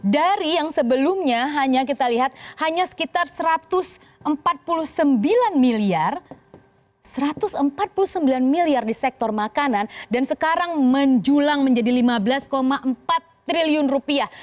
dari yang sebelumnya hanya kita lihat hanya sekitar satu ratus empat puluh sembilan miliar di sektor makanan dan sekarang menjulang menjadi lima belas empat triliun rupiah